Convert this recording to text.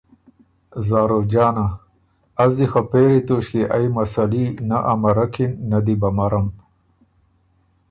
زاروجانه: از دی خه پېری توݭکيې ائ مسلي نۀ امرکِن، نۀ دی بو امرم۔